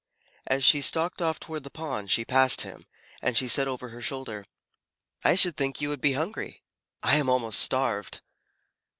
As she stalked off toward the pond, she passed him, and she said over her shoulder, "I should think you would be hungry. I am almost starved."